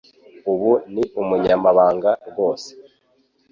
Ubu ni umunyamahanga rwose.